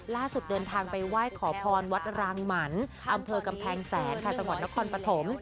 เดินทางไปไหว้ขอพรวัดรางหมันอำเภอกำแพงแสนค่ะจังหวัดนครปฐม